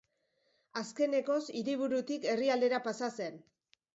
Azkenekoz, hiriburutik herrialdera pasa zen.